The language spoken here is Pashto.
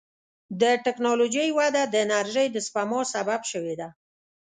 د ټکنالوجۍ وده د انرژۍ د سپما سبب شوې ده.